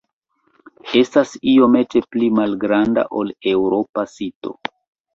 Estas iomete pli malgranda ol eŭropa sito.